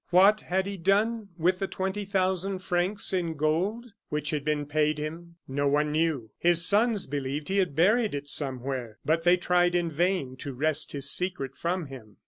What had he done with the twenty thousand francs in gold which had been paid him? No one knew. His sons believed he had buried it somewhere; but they tried in vain to wrest his secret from him.